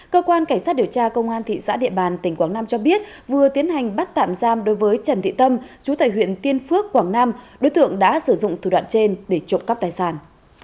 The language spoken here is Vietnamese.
cơ quan cảnh sát điều tra công an thị xã địa bàn tỉnh quảng nam cho biết vừa tiến hành bắt tạm giam đối với trần thị tâm chú tại huyện tiên phước quảng nam đối tượng đã sử dụng thủ đoạn trên để trộm cắp tài sản